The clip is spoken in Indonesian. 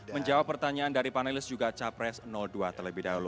menjawab pertanyaan dari panelis juga capres dua terlebih dahulu